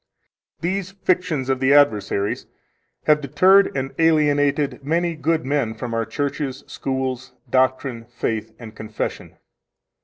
These fictions of the adversaries have deterred and alienated many good men from our churches, schools, doctrine, faith, and confession.